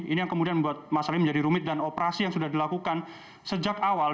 ini yang kemudian membuat masalah ini menjadi rumit dan operasi yang sudah dilakukan sejak awal